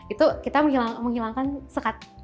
itu kita menghilangkan sekat